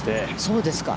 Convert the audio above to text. そうですか？